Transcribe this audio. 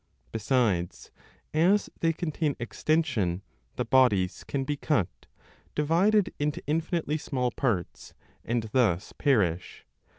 Besides, as they contain extension, the bodies can be cut, divided into infinitely small parts, and thus perish.